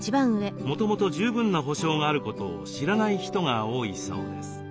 もともと十分な保障があることを知らない人が多いそうです。